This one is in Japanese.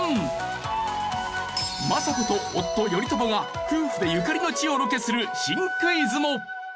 政子と夫・頼朝が夫婦でゆかりの地をロケする新クイズも！